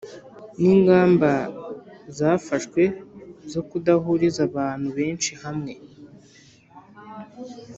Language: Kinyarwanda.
N’ingamba zafashwe zo kudahuriza abantu benshi hamwe